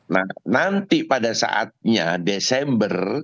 nah nanti pada saatnya desember